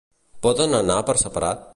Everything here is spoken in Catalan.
Poden anar per separat?